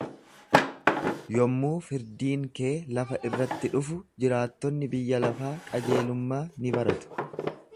Yommuu firdiin kee lafa irratti dhufu jiraattonni biyya lafaa qajeelummaa ni baratu.